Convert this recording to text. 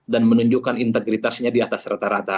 dan menunjukkan integritasnya di atas rata rata